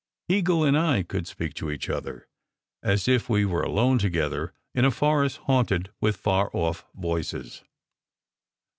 Eagle and I 278 SECRET HISTORY could speak to each other as if we were alone together in a forest haunted with far off voices.